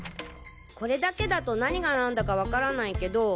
これだけだと何が何だかわからないけど。